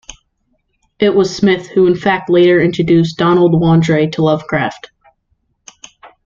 It was Smith who in fact later introduced Donald Wandrei to Lovecraft.